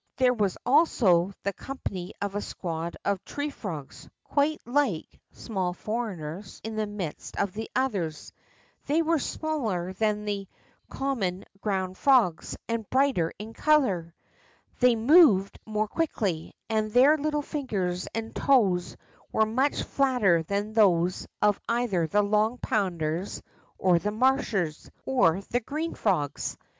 There was also in the company a squad of tree frogs, quite like small foreigners in the midst of the others. They were smaller than the common 74 THE ROCK FROG ground frogs, and brighter in color. They moved more quickly, and their little fingers and toes were much flatter than those of either the Long Ponders, the Marshers, or the green frogs.